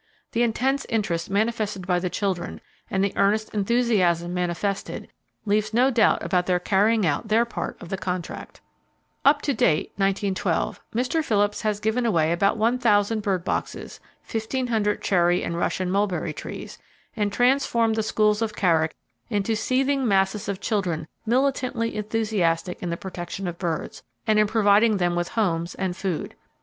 The intense interest manifested by the children, and the earnest enthusiasm manifested, leaves no doubt about their carrying out their part of the contract. DISTRIBUTING BIRD BOXES AND FRUIT TREES Up to date (1912) Mr. Phillips has given away about 1,000 bird boxes, 1,500 cherry and Russian mulberry trees, and transformed the schools of Carrick into seething masses of children militantly enthusiastic in the protection of birds, and in providing them with homes and food.